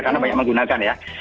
karena banyak yang menggunakan ya